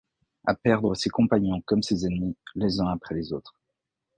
À perdre ses compagnons comme ses ennemis, les uns après les autres.